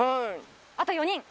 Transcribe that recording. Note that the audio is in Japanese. あと４人。